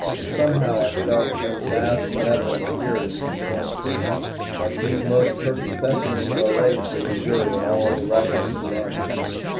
Somehow I felt some vast benevolent spirit in control, that these most perfect specimens of our race should endure when all the wreckers had vanished.